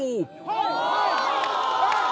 はい！